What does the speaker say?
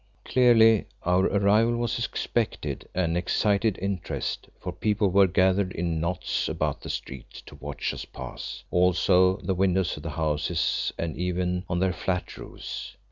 Clearly our arrival was expected and excited interest, for people were gathered in knots about the street to watch us pass; also at the windows of the houses and even on their flat roofs.